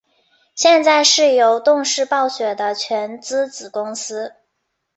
现在是由动视暴雪的全资子公司。